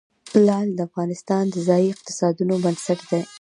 لعل د افغانستان د ځایي اقتصادونو بنسټ دی.